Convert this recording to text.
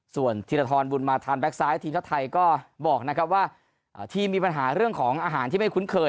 ส่วนธีรทรบุญมาทันแก๊กซ้ายทีมชาติไทยก็บอกนะครับว่าทีมมีปัญหาเรื่องของอาหารที่ไม่คุ้นเคย